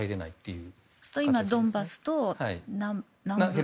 そうすると今、ドンバスと南部。